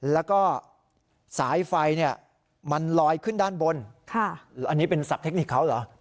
แล้วก็สายไฟเนี่ยมันลอยขึ้นด้านบนอันนี้เป็นสัตว์เทคนิคเขาเหรอ